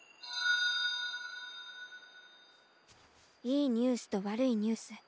いいニュースとわるいニュース